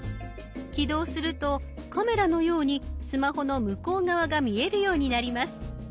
起動するとカメラのようにスマホの向こう側が見えるようになります。